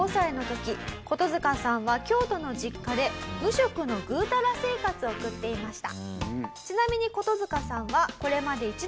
コトヅカさんは京都の実家で無職のぐーたら生活を送っていました。